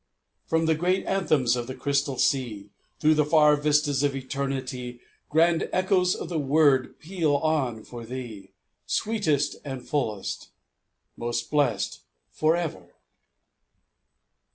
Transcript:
From the great anthems of the Crystal Sea, Through the far vistas of Eternity, Grand echoes of the word peal on for thee, Sweetest and fullest: 'Most blessed for ever.'